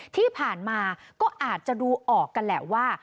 ที่ผ่านมาก็อาจจะดูออกกันแหละว่า